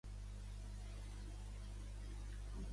Es diu Bernat: be, e, erra, ena, a, te.